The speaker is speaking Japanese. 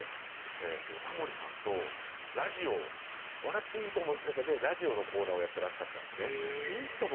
えっとタモリさんとラジオ『笑っていいとも！』の中でラジオのコーナーをやっていらっしゃったんですね。